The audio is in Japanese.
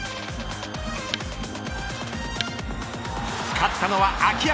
勝ったのは秋山。